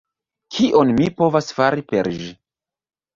Kion mi povas fari per ĝi?